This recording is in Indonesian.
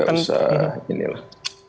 gak usah ini lah